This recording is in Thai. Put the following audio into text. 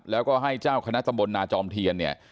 แล้วก็ให้เจ้าคณะตำบลนาจอมเทียนเนี่ย